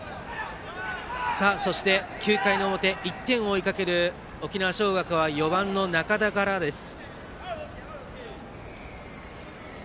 そして９回の表１点を追いかける沖縄尚学は４番の仲田からです。